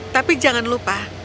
tapi jangan lupa